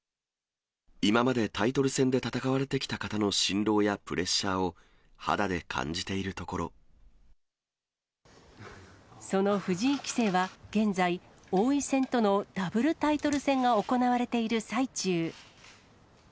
今までタイトル戦で戦われてきた方の心労やプレッシャーを肌で感その藤井棋聖は現在、王位戦とのダブルタイトル戦が行われている最中。